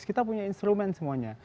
kita punya instrumen semuanya